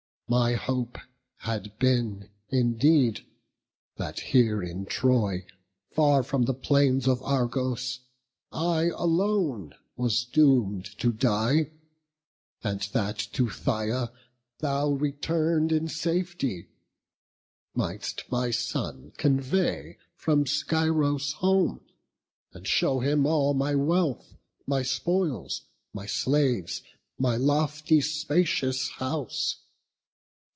My hope had been indeed, that here in Troy, Far from the plains of Argos, I alone Was doom'd to die; and that to Phthia thou, Return'd in safety, mightst my son convey From Scyros home, and show him all my wealth, My spoils, my slaves, my lofty, spacious house.